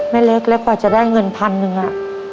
เล็กแล้วกว่าจะได้เงินพันหนึ่ง